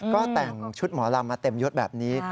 ก็แต่งชุดหมอลำมาเต็มยดแบบนี้